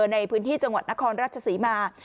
ในพื้นที่จังหวัดนครราชศรีมา